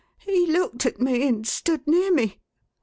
He looked at me, and stood near me.